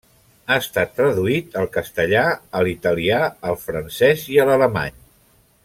Ha estat traduït al castellà, a l'italià, al francès i a l'alemany.